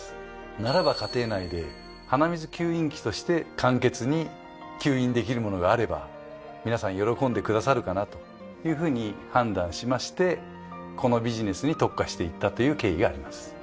ならば家庭内で鼻水吸引器として簡潔に吸引できる物があれば皆さん喜んでくださるかなというふうに判断しましてこのビジネスに特化していったという経緯があります。